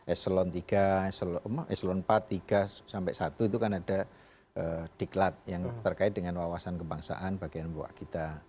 eselon tiga eselon empat tiga sampai satu itu kan ada diklat yang terkait dengan wawasan kebangsaan bagian buah kita